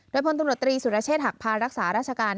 โดยพลตำรวจตรีสุรเชษฐหักพารักษาราชการ